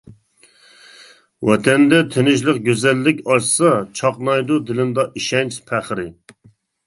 ۋەتەندە تىنچلىق گۈزەللىك ئاشسا، چاقنايدۇ دىلىمدا ئىشەنچ پەخرى.